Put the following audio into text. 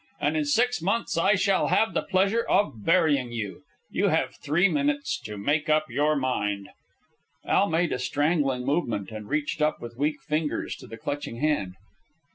And in six months I shall have the pleasure of burying you. You have three minutes to make up your mind." Al made a strangling movement, and reached up with weak fingers to the clutching hand.